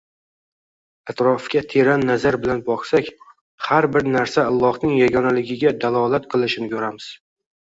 Atrofga teran nazar bilan boqsak, har bir narsa Allohning yagonaligiga dalolat qilishini ko‘ramiz.